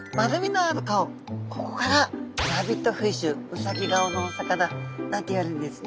ここからラビットフィッシュウサギ顔のお魚なんていわれるんですね。